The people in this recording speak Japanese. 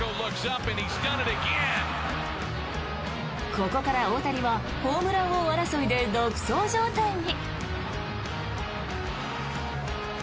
ここから大谷はホームラン王争いで独走状態に。